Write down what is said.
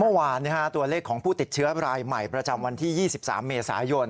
เมื่อวานตัวเลขของผู้ติดเชื้อรายใหม่ประจำวันที่๒๓เมษายน